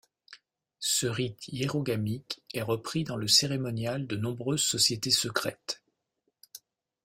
Ce rite hiérogamique est repris dans le cérémonial de nombreuses sociétés secrètes.